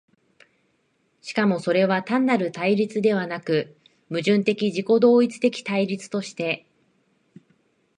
しかもそれは単なる対立ではなく、矛盾的自己同一的対立として、